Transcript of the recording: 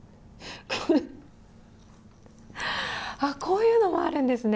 こういうのもあるんですね。